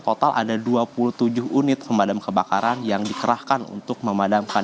total ada dua puluh tujuh unit pemadam kebakaran yang dikerahkan untuk memadamkan